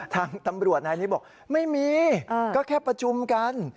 ทางตำรวจนายนี้บอกไม่มีก็แค่ประชุมกัน